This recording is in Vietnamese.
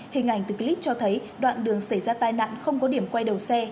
hình ảnh từ clip cho thấy đoạn đường xảy ra tai nạn không có điểm quay đầu xe